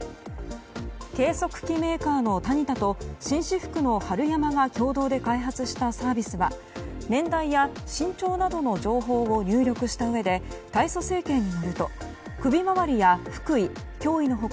計測器メーカーのタニタと紳士服のはるやまが共同で開発したサービスは年代や身長などの情報を入力したうえで体組成計に乗ると首回りや腹囲、胸囲の他